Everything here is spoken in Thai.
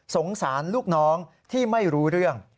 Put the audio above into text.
สงสารลูกน้องที่ไม่รู้เรื่อง